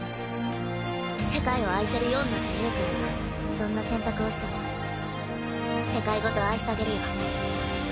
世界を愛せるようになったゆーくんがどんな選択をしても世界ごと愛したげるよ。